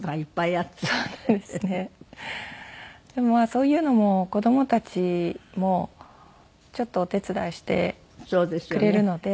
そういうのも子供たちもちょっとお手伝いしてくれるので。